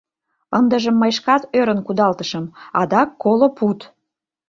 Ындыжым мый шкат ӧрын кудалтышым: адак коло пуд!